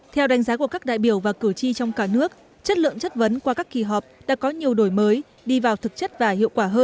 theo đánh giá của các đại biểu và cử tri trong cả nước chất lượng chất vấn qua các kỳ họp đã có nhiều đổi mới đi vào thực chất và hiệu quả hơn